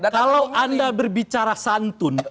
kalau anda berbicara santun